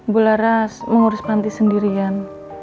bu laras mengurus panti sendirian